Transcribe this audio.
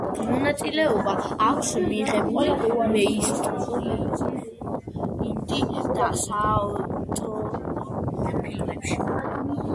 მონაწილეობა აქვს მიღებული მეინსტრიმულ, ინდი და საავტორო ფილმებში.